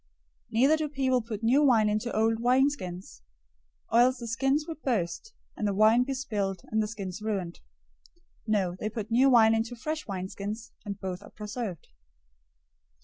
009:017 Neither do people put new wine into old wineskins, or else the skins would burst, and the wine be spilled, and the skins ruined. No, they put new wine into fresh wineskins, and both are preserved."